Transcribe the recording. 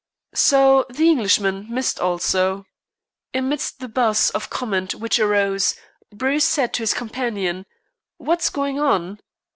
So the Englishman missed also. Amidst the buzz of comment which arose, Bruce said to his companion: "What's going on?"